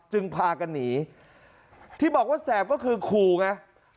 พากันหนีที่บอกว่าแสบก็คือขู่ไง